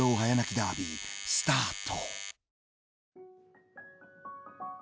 ダービースタート。